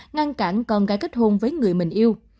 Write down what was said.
ngăn chặn con gái kết hôn với người mình yêu